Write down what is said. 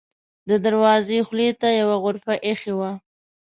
د دروازې خولې ته یوه غرفه اېښې وه.